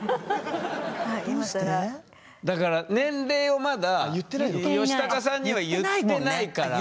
だから年齢をまだヨシタカさんには言ってないから。